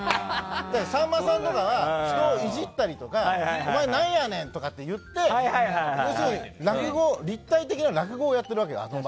さんまさんとかは人をイジったりとかお前、なんやねん！とか言って立体的な落語をやってるわけ。